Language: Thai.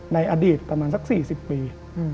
ในอดีตประมาณสัก๔๐ปี